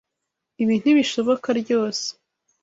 Ibi ntibishoboka ryose.